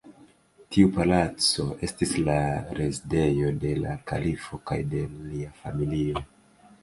Tiu Palaco estis la rezidejo de la kalifo kaj de lia familio.